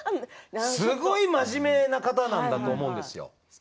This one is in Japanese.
すごく真面目な方だと思うんですよ。